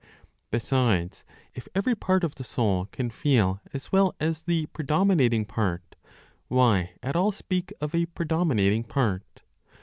Besides, if every part of the soul can feel as well as the predominating part, why at all speak of a "predominating part?"